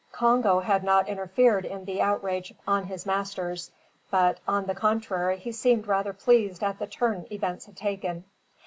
Congo had not interfered in the outrage on his masters, but on the contrary he seemed rather pleased at the turn events had taken.